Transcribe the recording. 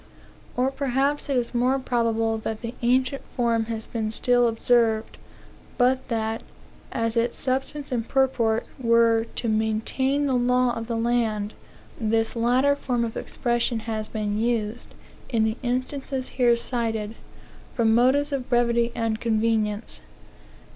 Or perhaps it is more probable that the ancient form has been still observed, but that, as its substance and purport were "to maintain the law of the land," this latter form of expression has been used, in the instances here cited, from motives of brevity and convenience.